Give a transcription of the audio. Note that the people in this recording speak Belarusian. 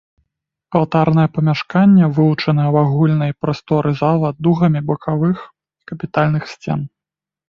Алтарнае памяшканне вылучанае ў агульнай прасторы зала дугамі бакавых капітальных сцен.